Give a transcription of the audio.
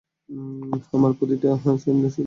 আমরা প্রতিটা সেন্ট শোধ দিয়ে দেব।